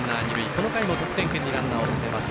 この回も得点圏にランナー進めます。